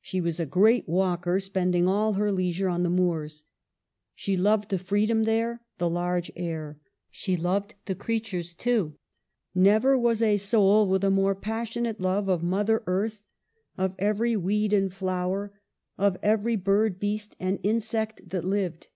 She was a great walker, spending all her leisure on the moors. She loved the freedom there, the large air. She loved the creatures, too. Never was a soul with a more passionate love of Mother Earth, of every weed and flower, of every bird, s 66 EMILY BRONTE. beast, and insect that lived.